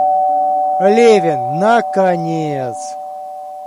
Левин, наконец!